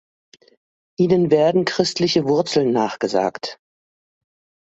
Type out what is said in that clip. Ihnen werden christliche Wurzeln nachgesagt.